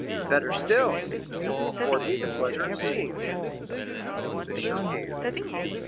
"Better still, since it will afford me the pleasure of seeing you." They shook hands.